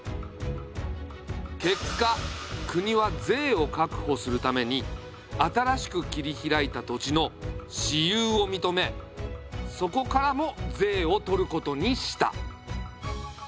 結果国は税を確保するために新しく切り開いた土地の私有を認めそこからも税をとることにした。